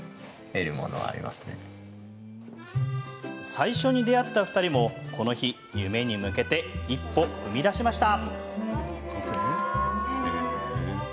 最初に出会った２人もこの日、夢に向けて一歩踏み出しました。